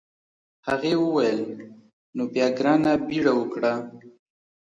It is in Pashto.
هغې وویل نو بیا ګرانه بیړه وکړه.